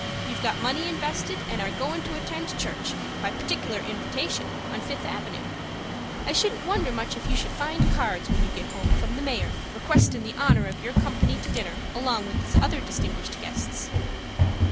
You've got money invested, and are goin' to attend church, by partic'lar invitation, on Fifth Avenue. I shouldn't wonder much if you should find cards, when you get home, from the Mayor, requestin' the honor of your company to dinner, along with other distinguished guests."